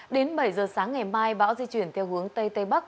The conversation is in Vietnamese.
đến bảy giờ sáng ngày mai bão di chuyển theo hướng tây tây bắc